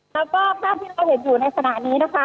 แล้วก็ภาพที่เราเห็นอยู่ในขณะนี้นะคะ